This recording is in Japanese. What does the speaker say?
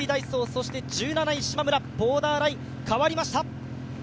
そして１７位、しまむら、ボーダーライン変わりました。